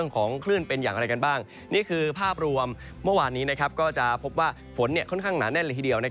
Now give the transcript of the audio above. นี่คือภาพรวมเมื่อวานนี้ก็จะพบว่าฝนค่อนข้างหนาแน่นเลยทีเดียว